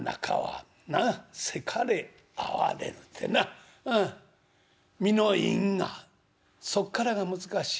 『堰かれ逢われぬ』ってな『身の因果』そっからが難しい。